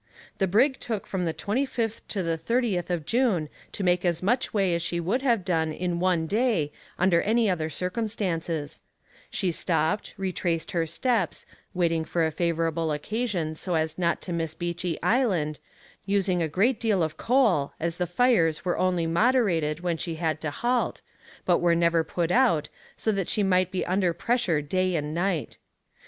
The brig took from the 25th to the 30th of June to make as much way as she would have done in one day under any other circumstances; she stopped, retraced her steps, waiting for a favourable occasion so as not to miss Beechey Island, using a great deal of coal, as the fires were only moderated when she had to halt, but were never put out, so that she might be under pressure day and night.